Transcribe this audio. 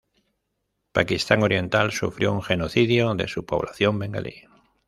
Pakistán Oriental sufrió un genocidio de su población bengalí.